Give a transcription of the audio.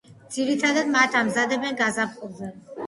ძირითადად მათ ამზადებენ გაზაფხულზე.